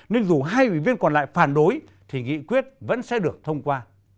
nên dù hai ủy viên còn lại phản đối thì nghị quyết vẫn sẽ được thông qua